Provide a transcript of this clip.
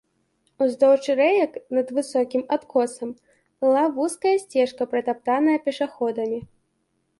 Уздоўж рэек, над высокім адкосам, была вузкая сцежка, пратаптаная пешаходамі.